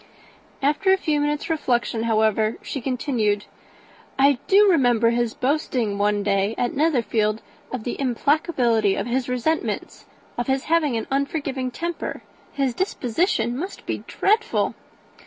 After a few minutes' reflection, however, she continued, "I do remember his boasting one day, at Netherfield, of the implacability of his resentments, of his having an unforgiving temper. His disposition must be dreadful."